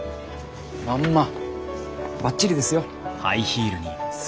まんまばっちりですよ。